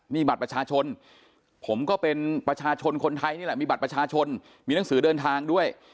นี่บัตรประชาชนผมก็เป็นประชาชนคนไทยนี่แหละมีบัตรประชาชนมีหนังสือเดินทางด้วย